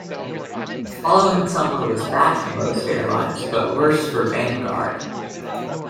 The following summer was bad for most airlines, but worse for Vanguard.